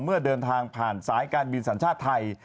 เมื่อเดินทางผ่านสายการบินสัญชาติไทย